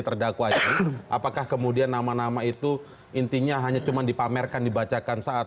terdakwa ini apakah kemudian nama nama itu intinya hanya cuman dipamerkan dibacakan saat